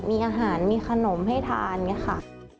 มีอาหารมีขนมให้ทานค่ะ